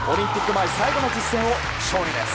前最後の実戦を勝利です。